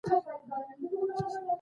ماشوم هغه وخت زده کړه کوي چې خوشاله وي.